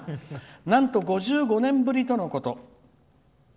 「なんと５５年ぶりとのこと」。